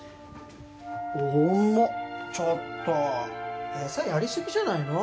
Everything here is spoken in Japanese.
重っちょっと餌やりすぎじゃないの？